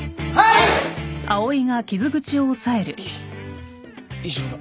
い以上だ。